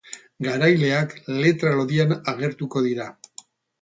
Garaileak letra lodian agertuko dira.